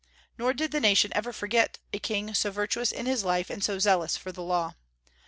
Nor did the nation ever forget a king so virtuous in his life and so zealous for the Law.